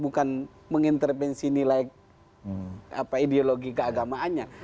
bukan mengintervensi nilai ideologi keagamaannya